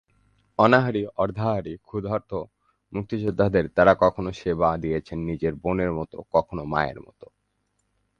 অনাহারী, অর্ধাহারী, ক্ষুধার্ত মুক্তিযোদ্ধাদের তারা কখনো সেবা দিয়েছেন নিজের বোনের মতো, কখনো মায়ের মতো।